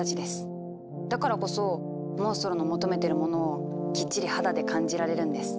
だからこそモンストロの求めてるものをきっちり肌で感じられるんです。